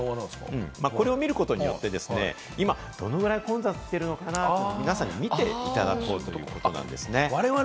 これを見ることによって、今どのぐらい混雑してるのかが、皆さんに見ていただくことができるということなんです。